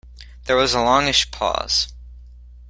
There was a longish pause.